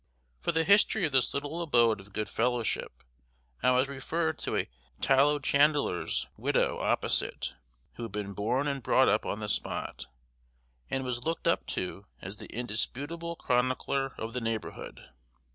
For the history of this little abode of good fellowship I was referred to a tallow chandler's widow opposite, who had been born and brought up on the spot, and was looked up to as the indisputable chronicler of the neighborhood.